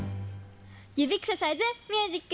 指クササイズミュージック。